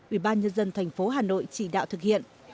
ủy ban nhân dân thành phố hà nội chỉ đạo thực hiện